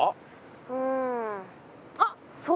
うんあっそうだ。